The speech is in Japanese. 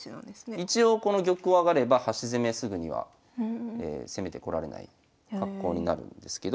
一応この玉を上がれば端攻めすぐには攻めてこられない格好になるんですけど。